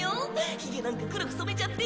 ひげなんか黒く染めちゃって。